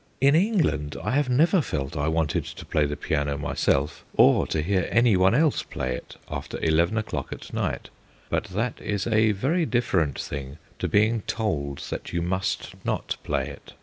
In England I have never felt I wanted to play the piano myself, or to hear anyone else play it, after eleven o'clock at night; but that is a very different thing to being told that you must not play it.